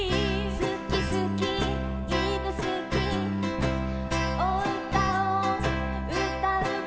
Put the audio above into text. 「すきすきいぶすき」「おうたをうたうことがすき」